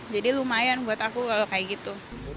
lumayan buat aku kalau kayak gitu